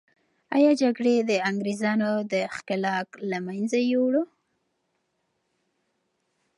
آیا جګړه د انګریزانو دښکیلاک له منځه یوړه؟